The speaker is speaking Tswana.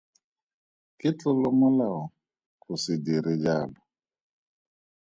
Ke tlolomolao go se dire jalo.